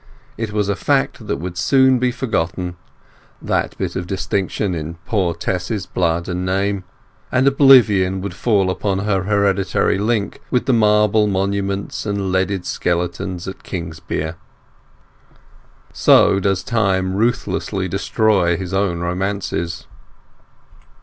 It was a fact that would soon be forgotten—that bit of distinction in poor Tess's blood and name, and oblivion would fall upon her hereditary link with the marble monuments and leaded skeletons at Kingsbere. So does Time ruthlessly destroy his own romances.